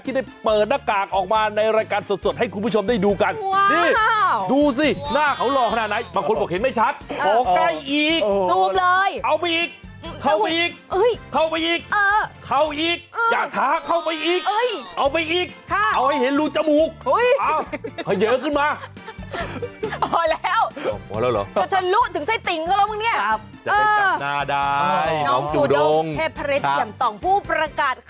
ที่ได้เปิดหน้ากากออกมาในรายการสดให้คุณผู้ชมได้ดูกัน